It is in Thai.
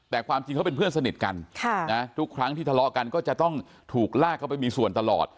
แต่ความจริงเขาเป็นเพื่อนสนิทกันทุกครั้งที่ทะเลาะกันก็จะต้องถูกลากเขาไปมีส่วนตลอด